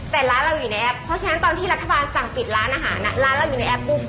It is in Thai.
เพราะฉะนั้นตอนที่รัฐบาลสั่งปิดร้านอาหารอ่ะร้านเราอยู่ในแอปปุ๊บคือ